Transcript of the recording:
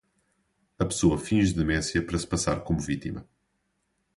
A pessoa finge demência para se passar como vítima.